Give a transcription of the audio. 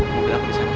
biar aku disana